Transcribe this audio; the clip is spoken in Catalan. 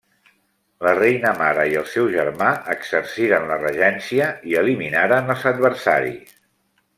La reina-mare i el seu germà exerciren la regència i eliminaren els adversaris.